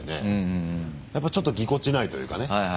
やっぱちょっとぎこちないというかね。